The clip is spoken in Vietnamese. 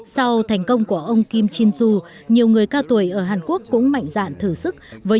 sau thành công của ông kim jin joo nhiều người cao tuổi ở hàn quốc cũng mạnh dạn thử sức với